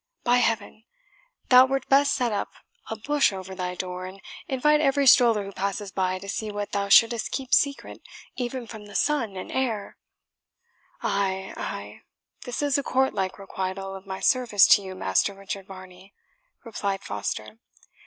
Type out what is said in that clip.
"By Heaven! thou wert best set up a bush over thy door, and invite every stroller who passes by to see what thou shouldst keep secret even from the sun and air." "Ay! ay! this is a courtlike requital of my service to you, Master Richard Varney," replied Foster.